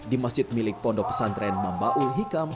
di masjid milik pondok pesantren mambaul hikam